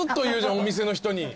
お店の人に。